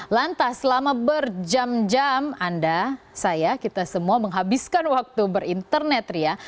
lantas selama berjam jam anda saya kita semua menghabiskan waktu berinternet ria